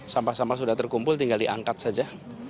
sampah sampah sudah terkumpul tinggal diangkat saja